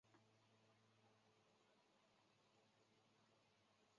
牛背鹭坚体吸虫为棘口科坚体属的动物。